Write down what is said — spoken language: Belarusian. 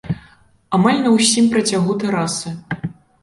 Амаль на ўсім працягу тэрасы.